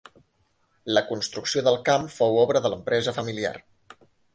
La construcció del camp fou obra de l'empresa familiar.